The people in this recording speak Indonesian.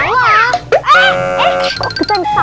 wah eh kok kita yang salah